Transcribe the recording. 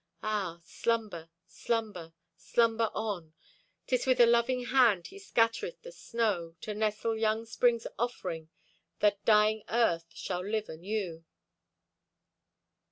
Ah, slumber, slumber, slumber on. 'Tis with a loving hand He scattereth the snow, To nestle young spring's offering, That dying Earth shall live anew.